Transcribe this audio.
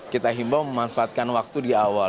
kita himbau memanfaatkan waktu di awal